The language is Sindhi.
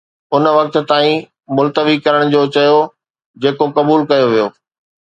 ان وقت تائين ملتوي ڪرڻ جو چيو جيڪو قبول ڪيو ويو